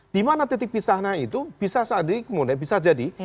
dimana titik pisahnya itu bisa jadi